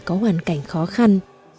có hoàn cảnh khó khăn